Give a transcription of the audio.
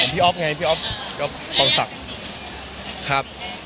พี่อ๊อฟไงพี่อ๊อฟก็ต้องศักดิ์